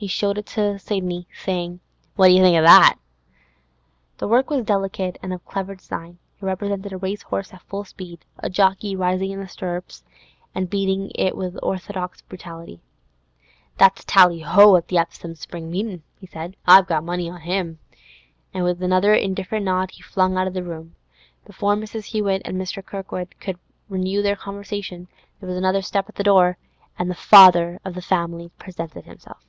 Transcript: He showed it to Sidney, saying, 'What d'you think o' that?' The work was delicate and of clever design; it represented a racehorse at full speed, a jockey rising in the stirrups and beating it with orthodox brutality. 'That's "Tally ho" at the Epsom Spring Meetin',' he said. 'I've got money on him!' And, with another indifferent nod, he flung out of the room. Before Mrs. Hewett and Kirkwood could renew their conversation, there was another step at the door, and the father of the family presented himself.